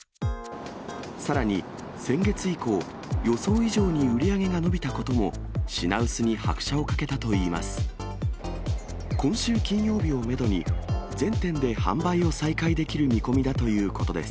さらに先月以降、予想以上に売り上げが伸びたことも、品薄に拍車をかけたといいます。